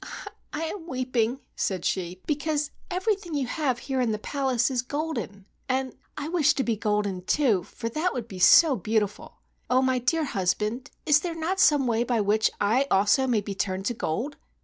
"I am weeping," said she, "because everything you have here in the palace is golden and I wish to be golden too, for that would be so beautiful. Oh, my dear husband! Is there not some way by which I also may be turned to gold